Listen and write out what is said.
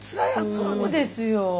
そうですよ。